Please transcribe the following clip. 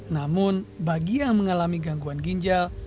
namun bagi yang mengalami gangguan ginjal